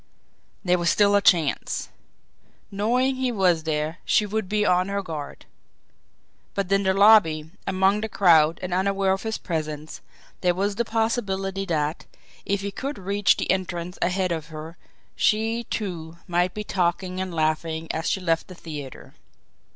There was still a chance. Knowing he was there, she would be on her guard; but in the lobby, among the crowd and unaware of his presence, there was the possibility that, if he could reach the entrance ahead of her, she, too, might be talking and laughing as she left the theatre.